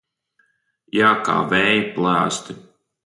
Jā, kā vēja plēsti.